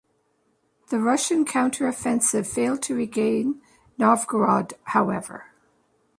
The Russian counter-offensive failed to regain Novgorod, however.